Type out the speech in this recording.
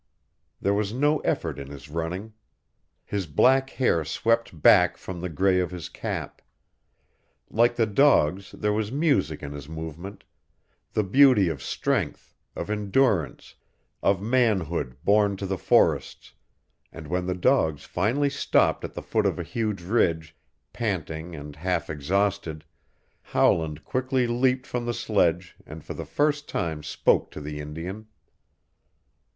There was no effort in his running. His black hair swept back from the gray of his cap; like the dogs there was music in his movement, the beauty of strength, of endurance, of manhood born to the forests, and when the dogs finally stopped at the foot of a huge ridge, panting and half exhausted, Howland quickly leaped from the sledge and for the first time spoke to the Indian.